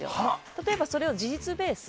例えば、それを事実ベース